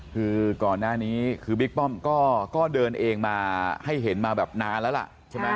คือก่อนหน้านี้คือบิ๊กป้อมก็เดินเองมาให้เห็นมาแบบนานแล้วล่ะใช่ไหม